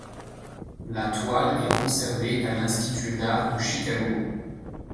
La toile est conservée à l'Institut d'art de Chicago.